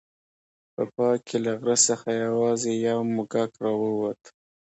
په پای کې له غره څخه یوازې یو موږک راووت.